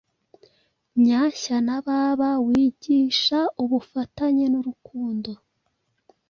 Nyashya na Baba wigisha ubufatanye n’urukundo